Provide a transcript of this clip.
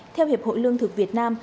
theo hiệp hội lương thực việt nam